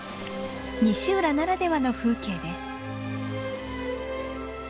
西浦ならではの風景です。